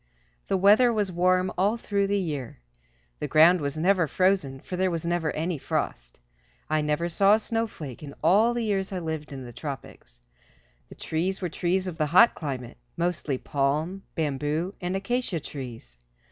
The weather was warm all through the year. The ground was never frozen, for there was never any frost. I never saw a snowflake in all the years I lived in the tropics. The trees were trees of the hot climate, mostly palm, bamboo and acacia trees.